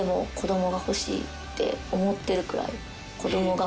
って思ってるくらい。